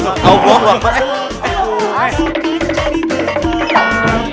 tau kan jadi berguna